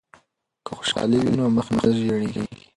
که خوشحالی وي نو مخ نه ژیړیږي.